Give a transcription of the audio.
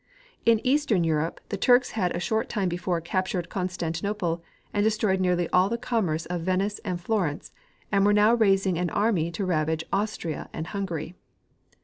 In eastern Europe, the Turks had a short time before captured Constantinople and destroyed nearly all the commerce of Venice and Florence, and AA^ere noAA^ raising an army to ravage Austria and Hungary.